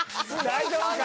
大丈夫か？